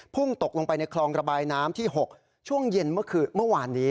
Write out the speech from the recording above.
พุ่งตกลงไปในคลองระบายน้ำที่๖ช่วงเย็นเมื่อวานนี้